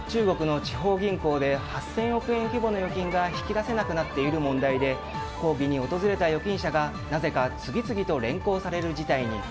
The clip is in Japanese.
中国の地方銀行で８０００億円規模の預金が引き出せなくなっている問題で抗議に来た預金者がなぜか次々と連行される事態に。